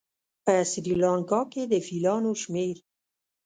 په سریلانکا کې د فیلانو شمېر